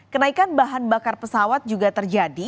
kenaikan bahan bakar pesawat juga terjadi